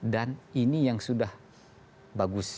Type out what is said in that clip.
dan ini yang sudah bagus